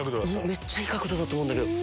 めっちゃいい角度だと思うけど。